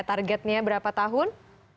targetnya berapa tahun